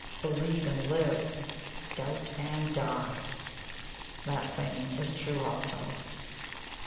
'Believe and live; doubt and die!' That saying is true also."